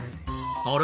あれ？